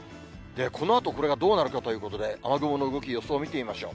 このあと、これがどうなるかということで、雨雲の動き、予想を見てみましょう。